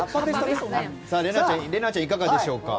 怜奈ちゃんいかがでしょうか？